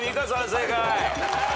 正解。